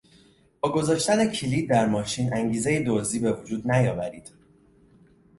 با گذاشتن کلید در ماشین انگیزهی دزدی به وجود نیاورید!